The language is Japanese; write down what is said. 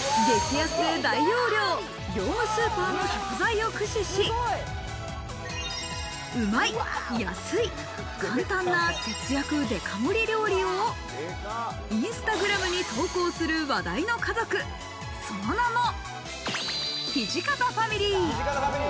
激安で大容量、業務スーパーの食材を駆使し、うまい、安い、簡単な節約デカ盛り料理をインスタグラムに投稿する話題の家族、その名も土方ファミリー。